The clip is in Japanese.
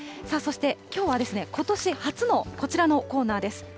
さあ、そしてきょうはですね、ことし初のこちらのコーナーです。